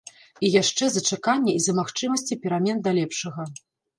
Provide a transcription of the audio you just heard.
І яшчэ за чаканне і за магчымасці перамен да лепшага.